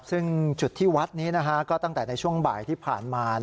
ซึ่งจุดที่วัดนี้ก็ตั้งแต่ในช่วงบ่ายที่ผ่านมา